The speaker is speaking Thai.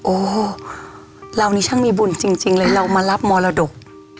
โอ้เรานี่ช่างมีบุญจริงเลยเรามารับมรดก